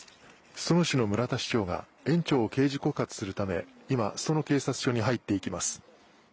裾野市の村田市長が園長を刑事告発するため今、裾野警察署に入っていきます。